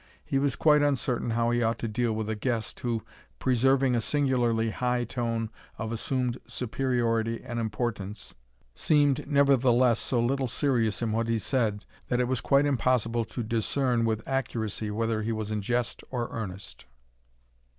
He was quite uncertain how he ought to deal with a guest, who preserving a singularly high tone of assumed superiority and importance, seemed nevertheless so little serious in what he said, that it was quite impossible to discern with accuracy whether he was in jest or earnest.